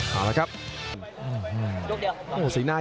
เอากันครับ